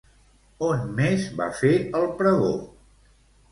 On més va fer el pregó?